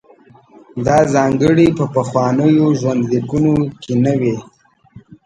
دا ځانګړنې په پخوانیو ژوندلیکونو کې نه وې.